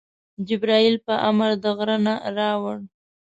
جبریل په امر د غره نه راوړ.